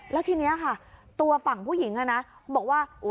แล้วทีนี้ค่ะตัวฝั่งผู้หญิงบอกว่า